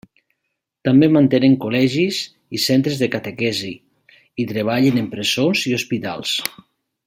També mantenen col·legis i centres de catequesi, i treballen en presons i hospitals.